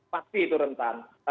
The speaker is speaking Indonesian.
pasti itu rentan